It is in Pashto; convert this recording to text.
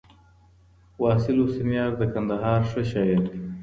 واصل حسنیار د کندهار ښه شاعر دی